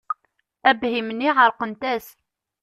Abhim-nni εerqent-as.